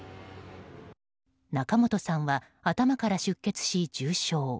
仲本さんは、頭から出血し重傷。